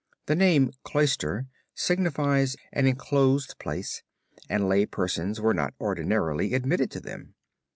The name cloister signifies an enclosed place and lay persons were not ordinarily admitted to them.